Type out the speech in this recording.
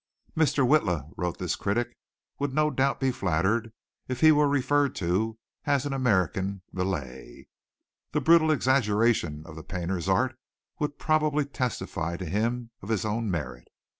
"Mr. Witla," wrote this critic, "would no doubt be flattered if he were referred to as an American Millet. The brutal exaggeration of that painter's art would probably testify to him of his own merit.